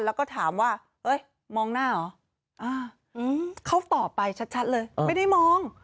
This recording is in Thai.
แล้วก็ถามว่าเอ้ยมองหน้าเหรอเขาตอบไปชัดเลยไม่ได้มอง